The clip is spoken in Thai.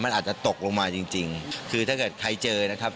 มันอาจจะตกลงมาจริงจริงคือถ้าเกิดใครเจอนะครับ